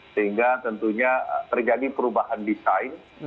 sehingga tentunya terjadi perubahan desain